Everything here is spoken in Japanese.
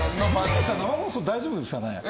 生放送、大丈夫ですよね？